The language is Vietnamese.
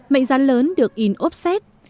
mệnh giá lớn được in úp xét